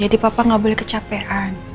jadi papa gak boleh kecapean